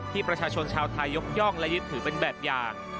ประชาชนชาวไทยยกย่องและยึดถือเป็นแบบอย่าง